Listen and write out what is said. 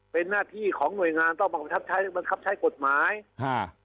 เป็นหน้าที่ของหน่วยงานต้องบังคับใช้บังคับใช้กฎหมายอ่า